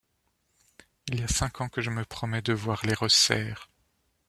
Il y a cinq ans que je me promets de voir les resserres...